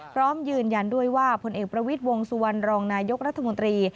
พร้อมยืนยันด้วยว่าผลเอกประวิทย์วงสุวรรณรองนายกรัฐมนตรี